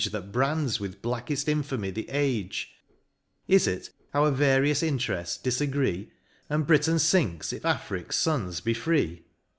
That brands with blackefl infamy the age ? Is it, our varied interefts difagree. And Britain finks if Afric's fons be free